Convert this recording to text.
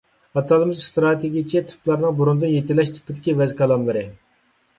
ئاتالمىش ئىستراتېگىيەچى تىپلارنىڭ بۇرۇندىن يېتىلەش تىپىدىكى ۋەز - كالاملىرى